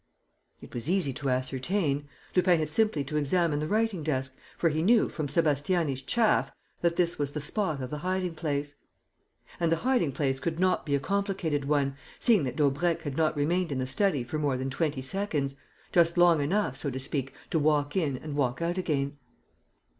It was easy to ascertain. Lupin had simply to examine the writing desk, for he knew, from Sébastiani's chaff, that this was the spot of the hiding place. And the hiding place could not be a complicated one, seeing that Daubrecq had not remained in the study for more than twenty seconds, just long enough, so to speak, to walk in and walk out again.